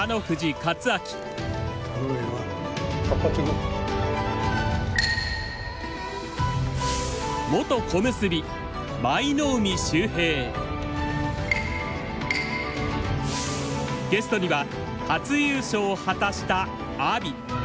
ゲストには初優勝を果たした阿炎。